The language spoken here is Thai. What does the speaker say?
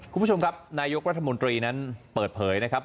คุณผู้ชมครับนายกรัฐมนตรีนั้นเปิดเผยนะครับ